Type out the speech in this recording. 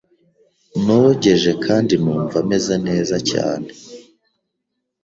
Nogeje kandi numva meze neza cyane.